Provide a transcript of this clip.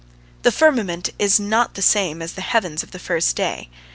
The firmament is not the same as the heavens of the first day.